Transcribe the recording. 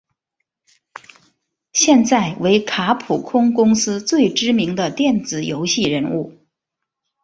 现在为卡普空公司最知名的电子游戏人物。